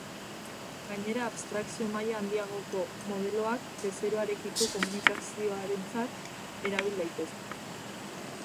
Gainera, abstrakzio-maila handiagoko modeloak bezeroarekiko komunikazioarentzat erabil daitezke.